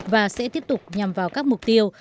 và sẽ tiếp tục nhằm vào các mục tiêu